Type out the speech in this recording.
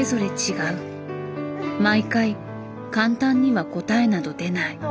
毎回簡単には答えなど出ない。